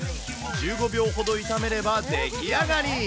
１５秒ほど炒めれば出来上がり。